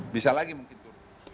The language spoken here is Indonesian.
bisa lagi mungkin turun